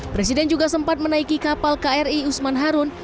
presiden juga sempat menaiki kapal kri usman harun